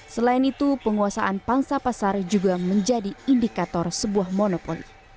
selain itu penguasaan pangsa pasar juga menjadi indikator sebuah monopoli